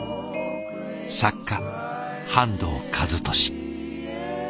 作家半藤一利。